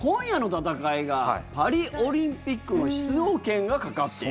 戦いがパリオリンピックの出場権がかかっている。